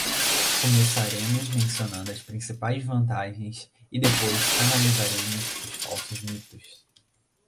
Começaremos mencionando as principais vantagens e depois analisaremos os falsos mitos.